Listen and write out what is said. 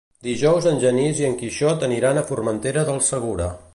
Dijous en Genís i en Quixot aniran a Formentera del Segura.